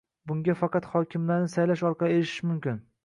Bunga faqat hokimlarni saylash orqali erishish mumkin